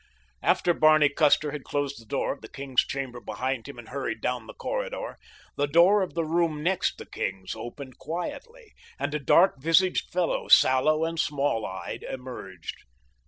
After Barney Custer had closed the door of the king's chamber behind him and hurried down the corridor, the door of the room next the king's opened quietly and a dark visaged fellow, sallow and small eyed, emerged.